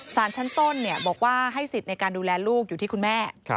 สารชั้นต้นบอกว่าให้สิทธิ์ในการดูแลลูกอยู่ที่คุณแม่